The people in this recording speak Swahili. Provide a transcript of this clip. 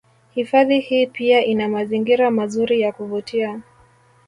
Hifadhi hii pia ina mazingira mazuri ya kuvutia